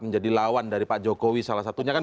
menjadi lawan dari pak jokowi salah satunya kan